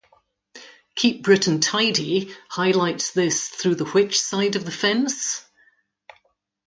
Keep Britain Tidy highlights this through the Which side of the fence?